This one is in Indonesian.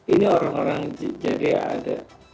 ini orang orang jadi ada